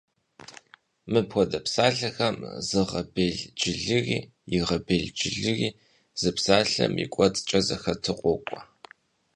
Мыпхуэдэ псалъэхэм зыгъэбелджылыри, игъэбелджылыри зы псалъэм и кӏуэцӏкӏэ зэхэту къокӏуэ.